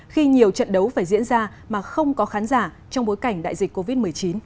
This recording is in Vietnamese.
khi nhiều trận đấu phải diễn ra mà không có khán giả trong bối cảnh đại dịch covid một mươi chín